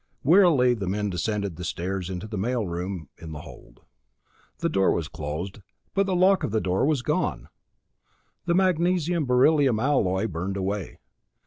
Wearily the men descended the stairs to the mail room in the hold. The door was closed, but the lock of the door was gone, the magnesium beryllium alloy burned away.